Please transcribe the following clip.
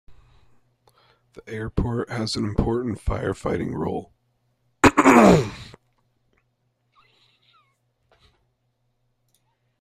The airport has an important fire fighting role.